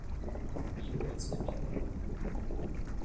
以我之名